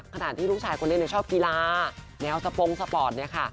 ขนาดที่ลูกชายคนเล่นชอบกีฬาแนวสปรงสปอร์ต